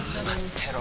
てろ